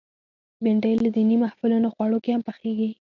بېنډۍ له دینی محفلونو خوړو کې هم پخېږي